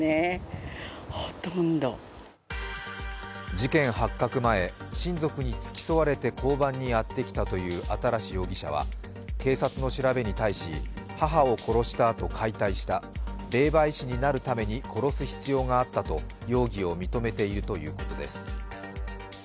事件発覚前、親族に付き添われて交番にやってきたという新容疑者は、警察の調べに対し、母を殺したあと解体した、霊媒師になるために殺す必要があったと容疑を認めているということです。